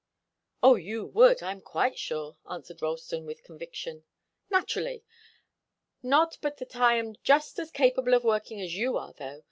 "Oh, you would I'm quite sure!" answered Ralston, with conviction. "Naturally. Not but that I'm just as capable of working as you are, though.